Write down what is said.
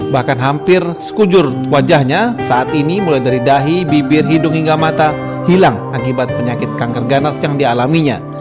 bahkan hampir sekujur wajahnya saat ini mulai dari dahi bibir hidung hingga mata hilang akibat penyakit kanker ganas yang dialaminya